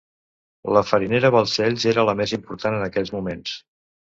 La Farinera Balcells era la més important en aquells moments.